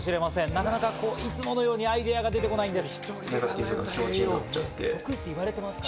なかなかいつものようにアイデアが出てこないんです。